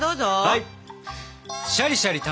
はい。